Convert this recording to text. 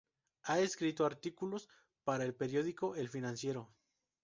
Ha escrito artículos para el periódico El Financiero.